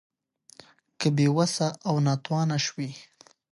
که بې وسه او ناتوانه شوې